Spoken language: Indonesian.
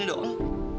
di sini dong